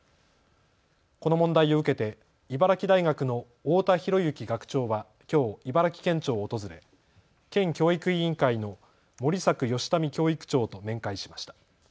この問題を受けて茨城大学の太田寛行学長はきょう茨城県庁を訪れ県教育委員会の森作宜民教育長と面会しました。